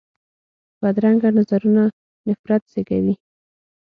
بدرنګه نظرونه نفرت زېږوي